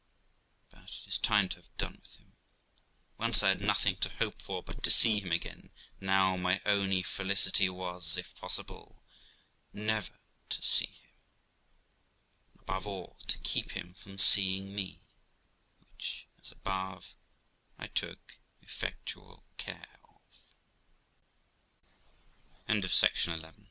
But it is time to have done with him. Once I had nothing to hope for but to see him again; now my only felicity was, if possible, never to see him, and, above all, to keep him from seeing me, which, as above, I took effectual care